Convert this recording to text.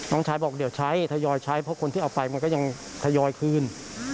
น้องชายบอกเดี๋ยวใช้ทยอยใช้เพราะคนที่เอาไปมันก็ยังทยอยคืน